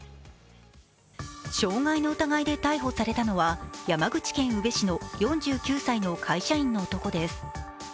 傷害の疑いで逮捕されたのは山口県宇部市の４９歳の会社員の男です。